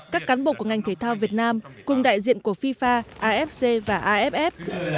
các cán bộ của ngành thể thao việt nam cùng đại diện của fifa afc và aff